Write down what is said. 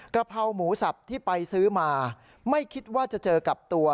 กระเพราหมูสับที่ไปซื้อมาไม่คิดว่าจะเจอกับตัว